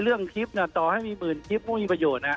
เรื่องคลิปต่อให้มีหมื่นคลิปไม่มีประโยชน์